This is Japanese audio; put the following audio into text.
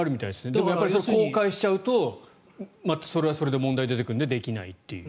だから公開しちゃうとそれはそれで問題が出てくるのでできないっていう。